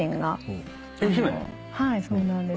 はいそうなんですよ。